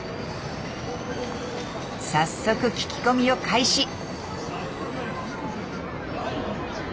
早速聞き込みを開始！